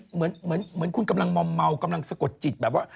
เหมือนคุณกำลังมอมเมากำลังสะกดจิตแบบว่า